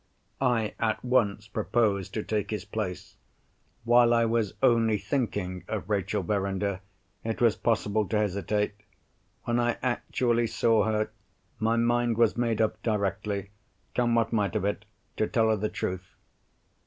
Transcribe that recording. I at once proposed to take his place. While I was only thinking of Rachel Verinder, it was possible to hesitate. When I actually saw her, my mind was made up directly, come what might of it, to tell her the truth.